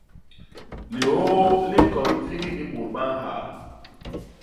Liôô li ñkon ndigi bôt ba nhaa.